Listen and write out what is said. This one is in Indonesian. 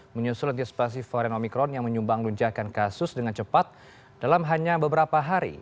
menyusul intensifasi varen omikron yang menyumbang luncakan kasus dengan cepat dalam hanya beberapa hari